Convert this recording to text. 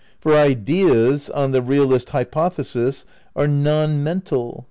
For ideas, on the realist hypo thesis, are non mental.